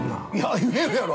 ◆言えるやろう。